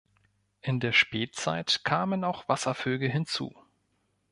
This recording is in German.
In der Spätzeit kamen auch Wasservögel hinzu.